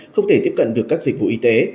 không thể tiếp cận được các dịch vụ y tế